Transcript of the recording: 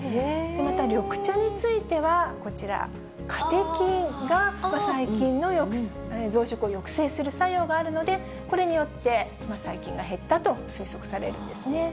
また緑茶については、こちら、カテキンが細菌の増殖を抑制する作用があるので、これによって細菌が減ったと推測されるんですね。